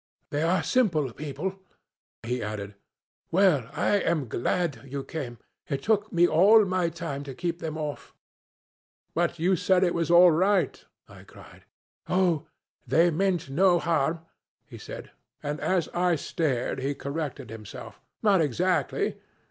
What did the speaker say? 'They are simple people,' he added; 'well, I am glad you came. It took me all my time to keep them off.' 'But you said it was all right,' I cried. 'Oh, they meant no harm,' he said; and as I stared he corrected himself, 'Not exactly.'